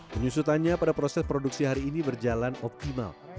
penyusutannya pada proses produksi hari ini berjalan optimal